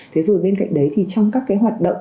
thế rồi bên cạnh đấy thì trong các cái hoạt động